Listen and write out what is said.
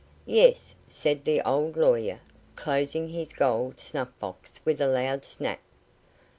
"Yes," said the old lawyer, closing his gold snuff box with a loud snap.